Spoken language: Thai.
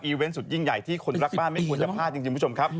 เวนต์สุดยิ่งใหญ่ที่คนรักบ้านไม่ควรจะพลาดจริงคุณผู้ชมครับ